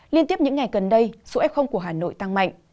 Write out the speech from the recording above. liên tiếp những ngày gần đây số f của hà nội tăng mạnh